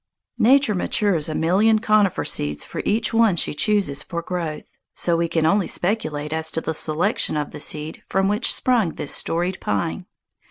Nature matures a million conifer seeds for each one she chooses for growth, so we can only speculate as to the selection of the seed from which sprung this storied pine.